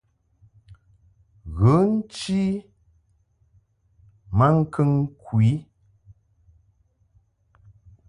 Ghə nchi maŋkəŋ ku i.